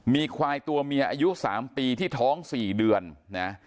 มีควายตัวเมียอายุ๓ปีที่ท้อง๔เดือนนะ